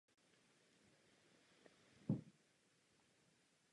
Tabulky byly přeloženy a používány i evropskými astronomy.